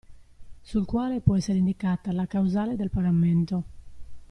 Sul quale può essere indicata la causale del pagamento.